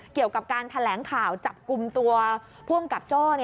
เกี่ยวกับการแถลงข่าวจับกลุ่มตัวผู้อำกับโจ้